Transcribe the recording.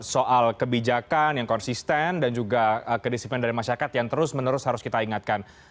soal kebijakan yang konsisten dan juga kedisiplinan dari masyarakat yang terus menerus harus kita ingatkan